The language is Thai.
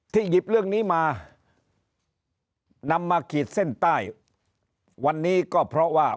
หยิบเรื่องนี้มานำมาขีดเส้นใต้วันนี้ก็เพราะว่า